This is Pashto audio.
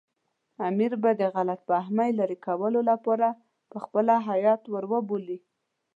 امیر به د غلط فهمۍ لرې کولو لپاره پخپله هیات ور وبولي.